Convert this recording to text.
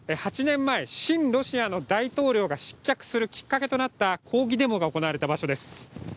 ８年前、親ロシアの大統領が失脚するきっかけとなった抗議デモが行われた場所です。